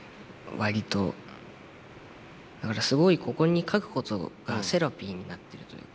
だからすごいここに書くことがセラピーになっているというか。